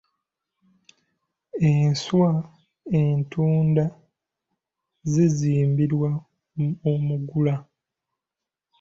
Enswa entunda zizimbirwa omugala.